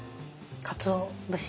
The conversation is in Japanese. かつお節。